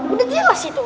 sudah jelas itu